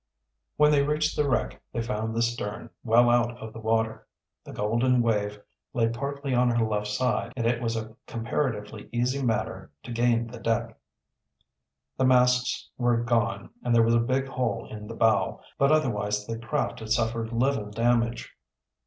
When they reached the wreck they found the stern well out of the water. The Golden Wave lay partly on her left side and it was a comparatively easy matter to, gain the deck. The masts were gone and there was a big hole in the bow, but otherwise the craft had suffered little damage.